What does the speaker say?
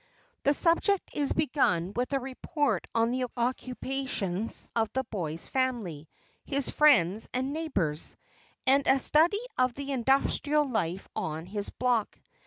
The subject is begun with a report on the occupations of the boy's family, his friends, and neighbors, and a study of the industrial life on his block.